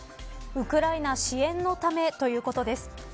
ウクライナ支援のためということです。